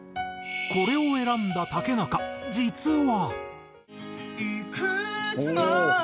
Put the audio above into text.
これを選んだ竹中実は。